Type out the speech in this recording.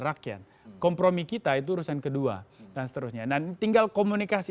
rakyat kompromi kita itu urusan kedua dan seterusnya dan tinggal komunikasi